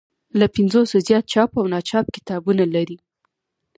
له پنځوسو زیات چاپ او ناچاپ کتابونه لري.